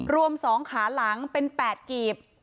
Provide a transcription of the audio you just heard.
รวม๒ขาหลังเป็น๘กีบ